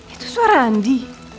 itu suara andi